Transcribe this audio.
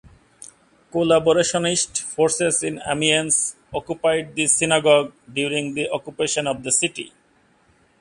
Collaborationist forces in Amiens occupied the synagogue during the occupation of the city.